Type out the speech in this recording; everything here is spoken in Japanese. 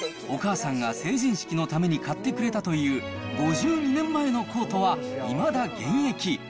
お母さんが成人式のために買ってくれたという、５２年前のコートは、いまだ現役。